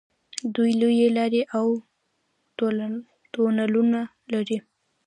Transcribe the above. دوی لویې لارې او تونلونه لري.